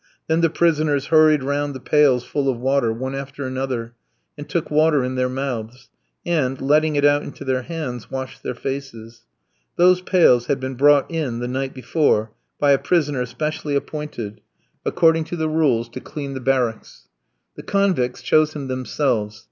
Then the prisoners hurried round the pails full of water, one after another, and took water in their mouths, and, letting it out into their hands, washed their faces. Those pails had been brought in the night before by a prisoner specially appointed, according to the rules, to clean the barracks. The convicts chose him themselves.